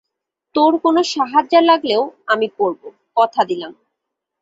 তোর কোন সাহায্য লাগলেও আমি করব, কথা দিলাম।